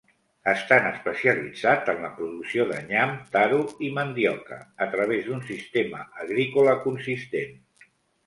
Estan especialitzats en la producció de nyam, taro i mandioca a través d'un sistema agrícola consistent.